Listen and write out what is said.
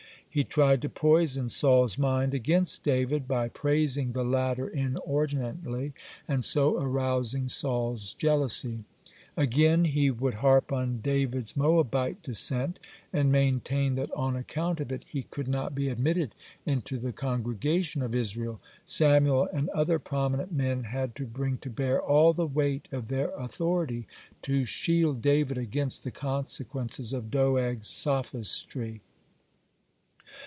He tried to poison Saul's mind against David, by praising the latter inordinately, and so arousing Saul's jealousy. (102) Again, he would harp on David's Moabite descent, and maintain that on account of it he could not be admitted into the congregation of Israel. Samuel and other prominent men had to bring to bear all the weight of their authority to shield David against the consequences of Doeg's sophistry.